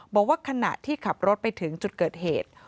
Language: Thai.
บอกว่าขณะที่ขับรถไปถึงจุดเกิดเหตุ